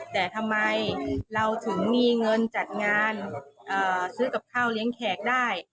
แต่ทำไมเราถึงมีเงินจัดงานซื้อกับข้าวเลี้ยงแขกได้